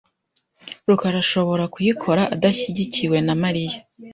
rukara arashobora kuyikora adashyigikiwe na Mariya .